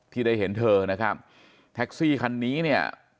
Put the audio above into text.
ที่ได้เห็นเธอนะครับแท็กซี่คันนี้เนี่ย